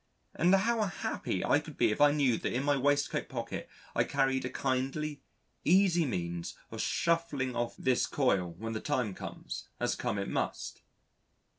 and how happy I could be if I knew that in my waistcoat pocket I carried a kindly, easy means of shuffling off this coil when the time comes as come it must.